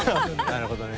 なるほどね。